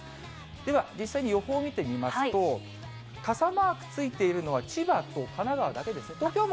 では、実際に予報を見てみますと、傘マーク付いているのは、千葉と神奈川だけですね。